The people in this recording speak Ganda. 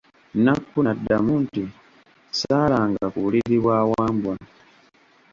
Nakku n'addamu nti, saalanga ku buliri bwa Wambwa.